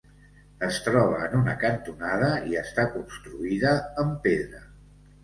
Es troba en una cantonada i està construïda amb pedra.